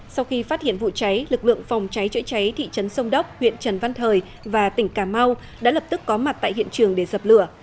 sau khi phát hiện vụ cháy lực lượng phòng cháy chữa cháy thị trấn sông đốc huyện trần văn thời và tỉnh cà mau đã lập tức có mặt tại hiện trường để dập lửa